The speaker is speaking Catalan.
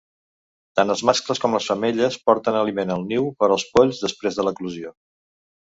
Tant els mascles com les femelles porten aliment al niu per als polls després de l'eclosió.